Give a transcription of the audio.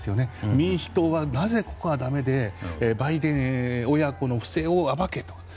民主党はなぜ、ここはだめでバイデン親子の不正を暴けと。